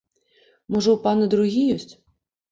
Можа, у пана другі ёсць?